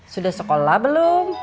sudah sekolah belum